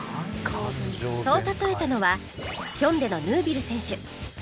そう例えたのはヒョンデのヌービル選手